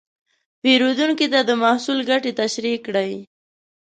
پیرودونکي ته د محصول ګټې تشریح کړئ.